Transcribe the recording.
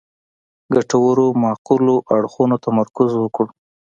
ګټورو معقولو اړخونو تمرکز وکړو.